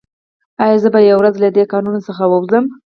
ایا زه به یوه ورځ له دې کانونو څخه ووځم